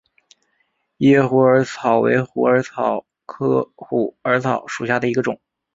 异叶虎耳草为虎耳草科虎耳草属下的一个种。